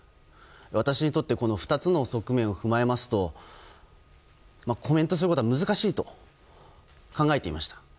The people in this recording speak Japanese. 私にとってこの２つの側面を踏まえますとコメントすることは難しいと考えていました。